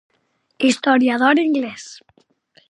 Historiador inglés.